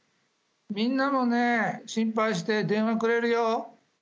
みんなもね、心配して電話くれるよ。